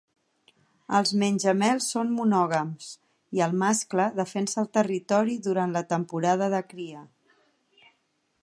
Els menjamels són monògams, i el mascle defensa el territori durant la temporada de cria.